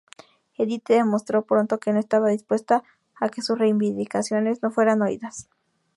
Edith demostró pronto que no estaba dispuesta a que sus reivindicaciones no fueran oídas.